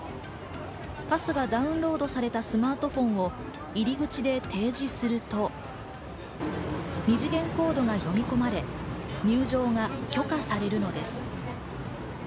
パスがダウンロードされたスマートフォンを入り口で提示すると、２次元コードが読み込まれ、入場が許可されるのです。